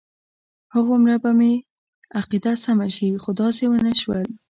هغومره به مې عقیده سمه شي خو داسې ونه شول.